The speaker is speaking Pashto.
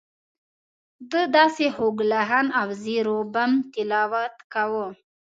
ده داسې خوږ لحن او زیر و بم تلاوت کاوه.